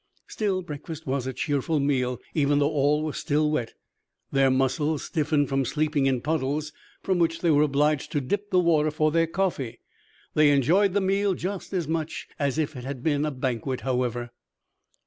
Still, breakfast was a cheerful meal, even though all were still wet, their muscles stiffened from sleeping in puddles, from which they were obliged to dip the water for their coffee. They enjoyed the meal just as much as if it had been a banquet, however.